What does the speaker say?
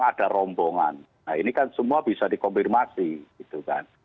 ada rombongan nah ini kan semua bisa dikonfirmasi gitu kan